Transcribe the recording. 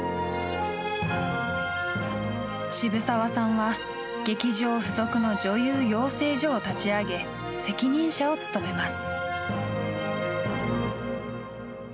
渋沢さんは劇場付属の女優養成所を立ち上げ責任者を務めます。